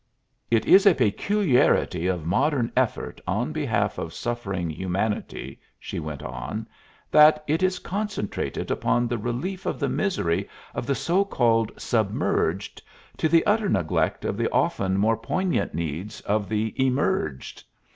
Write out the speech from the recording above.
"It is a peculiarity of modern effort on behalf of suffering humanity," she went on, "that it is concentrated upon the relief of the misery of the so called _sub_merged, to the utter neglect of the often more poignant needs of the _e_merged.